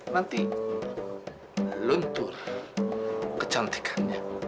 nanti luntur kecantikannya